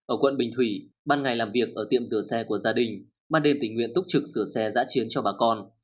ở quận bình thủy ban ngày làm việc ở tiệm sửa xe của gia đình ban đêm tỉnh nguyện túc trực sửa xe giã chiến cho bà con